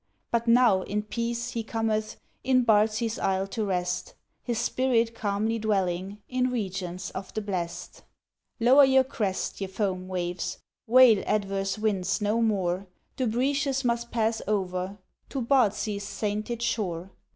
But now, in peace, he cometh, In Bardsey's Isle to rest, His spirit calmly dwelling In regions of the blest. Lower your crest, ye foam waves, Wail adverse winds no more, Dubritius must pass over To Bardsey's sainted shore.